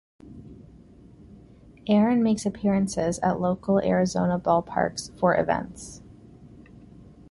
Aaron makes appearances at local Arizona ballparks for events.